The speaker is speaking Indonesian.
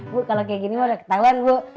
bu kalau kayak gini mah udah ketahuan bu